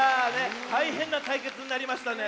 たいへんなたいけつになりましたね。